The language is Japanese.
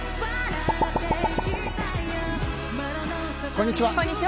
こんにちは。